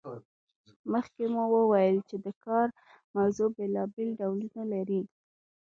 مخکې مو وویل چې د کار موضوع بیلابیل ډولونه لري.